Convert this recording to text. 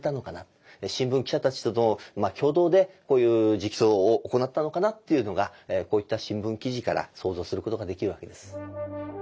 新聞記者たちとの共同でこういう直訴を行ったのかなっていうのがこういった新聞記事から想像することができるわけです。